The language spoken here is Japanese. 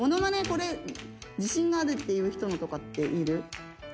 これ自信があるっていう人のとかっている？